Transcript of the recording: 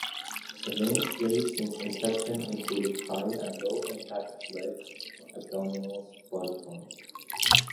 The mainstays since inception included high and low-impact, legs, abdominals, body toning.